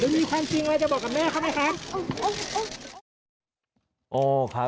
มีความจริงอะไรจะบอกกับแม่เขาไหมครับ